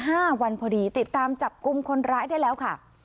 ห้าวันพอดีติดตามจับกลุ่มคนร้ายได้แล้วค่ะ